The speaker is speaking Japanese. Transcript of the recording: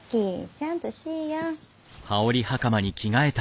ちゃんとしいや。